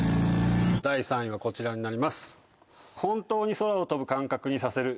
第３位はこちらになります